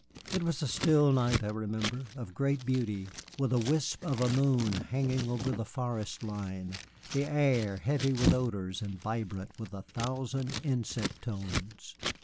It was a still night, I remember, of great beauty, with a wisp of a moon hanging over the forest line, the air heavy with odors and vibrant with a thousand insect tones.